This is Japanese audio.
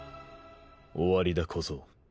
終わりだ小僧。